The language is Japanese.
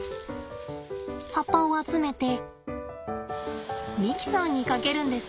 葉っぱを集めてミキサーにかけるんです。